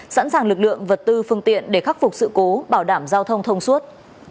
sẵn sàng lực lượng vật tư phương tiện để khắc phục sự cố bảo đảm giao thông thông suốt